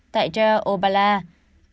tại deir el balai israel